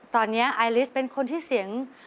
ตอนนี้ไอลิสเป็นคนที่เสียง